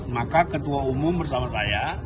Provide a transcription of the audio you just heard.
maka ketua umum bersama saya